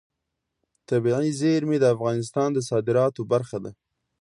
طبیعي زیرمې د افغانستان د صادراتو برخه ده.